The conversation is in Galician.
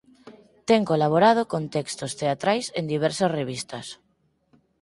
Ten colaborado con textos teatrais en diversas revistas.